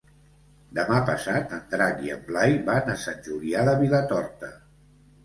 Demà passat en Drac i en Blai van a Sant Julià de Vilatorta.